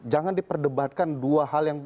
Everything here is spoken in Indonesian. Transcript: jangan diperdebatkan dua hal yang